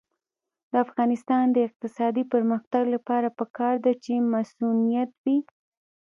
د افغانستان د اقتصادي پرمختګ لپاره پکار ده چې مصونیت وي.